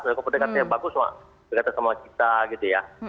kalau kata yang bagus berkata sama kita gitu ya